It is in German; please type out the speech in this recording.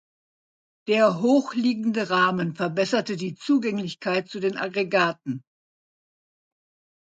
Der hochliegende Rahmen verbesserte die Zugänglichkeit zu den Aggregaten.